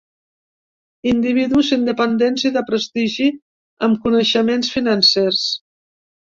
Individus independents i de prestigi, amb coneixements financers.